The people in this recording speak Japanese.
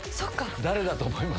誰だと思います？